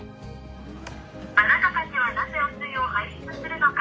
あなたたちはなぜ汚水を排出するのか。